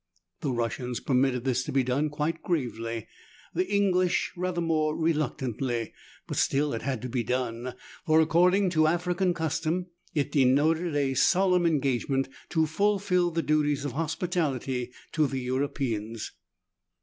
The Russians permitted this to be done quite gravely, the Enghsh rather more reluctantly, but still it had to be done, for according to African custom, it denoted a solemn engagement to fulfil the duties of hospitality to the Euro peans.